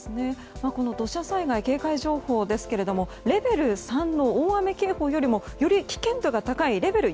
土砂災害警戒情報ですがレベル３の大雨警報よりもより危険度が高いレベル